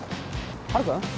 ハル君？